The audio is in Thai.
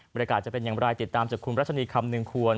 บริการจะเป็นอย่างไรติดตามคุณรัชนีภาร์ธีคำนึงขวน